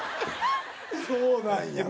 そうなんや。